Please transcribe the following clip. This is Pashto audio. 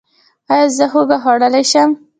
ایا زه هوږه خوړلی شم؟